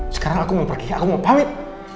sekarang aku mau pergi aku mau pamit